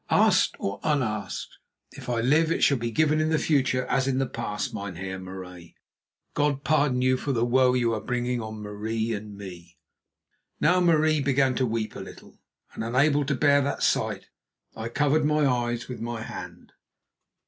"Asked or unasked, if I live it shall be given in the future as in the past, Mynheer Marais. God pardon you for the woe you are bringing on Marie and on me." Now Marie began to weep a little, and, unable to bear that sight, I covered my eyes with my hand.